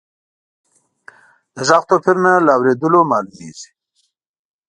د غږ توپیرونه له اورېدلو معلومیږي.